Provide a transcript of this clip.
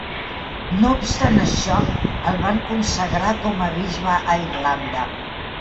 No obstant això, el van consagrar com a bisbe a Irlanda.